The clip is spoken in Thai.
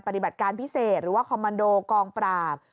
ปฏิบัติการพิเศษหรือว่าคอมมันโดกองปราบ